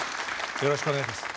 よろしくお願いします。